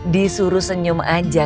disuruh senyum aja